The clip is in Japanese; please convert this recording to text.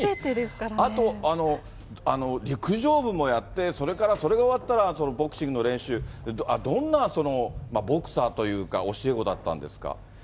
あと、陸上部もやって、それからそれ終わったらボクシングの練習、どんなボクサーというか、教え子だったんですか。